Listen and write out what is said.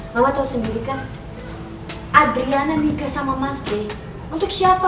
mama tau sendiri kan adriana nikah sama mas be untuk siapa